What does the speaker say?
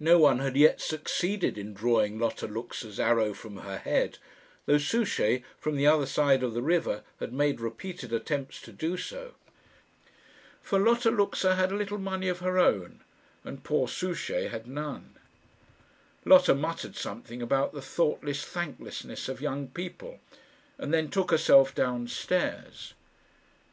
No one had yet succeeded in drawing Lotta Luxa's arrow from her head, though Souchey, from the other side of the river, had made repeated attempts to do so. For Lotta Luxa had a little money of her own, and poor Souchey had none. Lotta muttered something about the thoughtless thanklessness of young people, and then took herself down stairs.